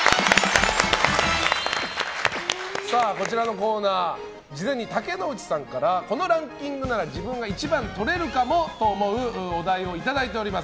こちらのコーナー事前に竹野内さんからこのランキングなら自分が１番とれるかもというお題をいただいております。